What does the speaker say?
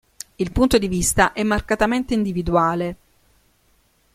Il punto di vista è marcatamente individuale.